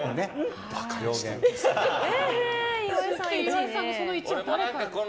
岩井さんのその１は？